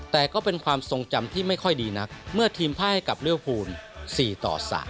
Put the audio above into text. แต่ก็เป็นความทรงจำที่ไม่ค่อยดีนักเมื่อทีมท่าให้กับริวภูล๔ต่อ๓